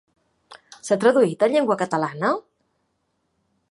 S'ha traduït en llengua catalana?